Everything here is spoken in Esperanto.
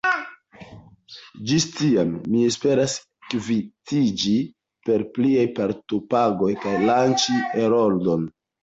Ĝis tiam mi esperas kvitiĝi per pliaj partopagoj kaj lanĉi Heroldon.